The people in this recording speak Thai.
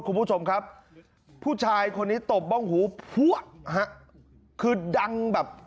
คุณผู้ชมครับผู้ชายคนนี้ตบบ้องหูพัวฮะคือดังแบบ